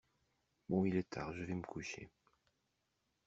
Bon, il est tard, je vais me coucher.